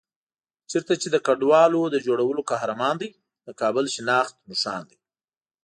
چېرته چې د کنډوالو د جوړولو قهرمان دی، د کابل شناخت نښان دی.